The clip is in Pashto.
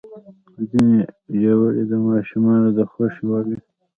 ځینې ژاولې د ماشومانو د خوښې وړ وي.